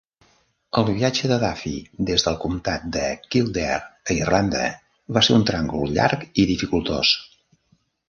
El viatge de Duffy des del comtat de Kildare, a Irlanda, va ser un tràngol llarg i dificultós.